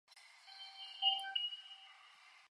Thirdly, to be self-content, one must feel joy.